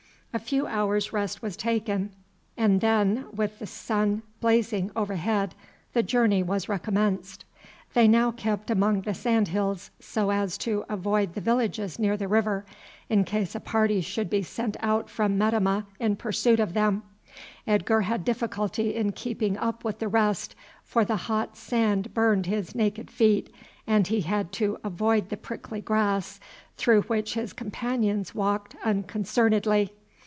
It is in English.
A few hours' rest was taken, and then, with the sun blazing overhead, the journey was recommenced. They now kept among the sand hills so as to avoid the villages near the river, in case a party should be sent out from Metemmeh in pursuit of them. Edgar had difficulty in keeping up with the rest, for the hot sand burned his naked feet, and he had to avoid the prickly grass through which his companions walked unconcernedly.